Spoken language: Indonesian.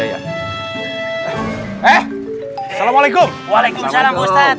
eh assalamualaikum waalaikumsalam ustadz